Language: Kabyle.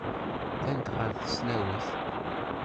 Ddant ɣer tesnawit.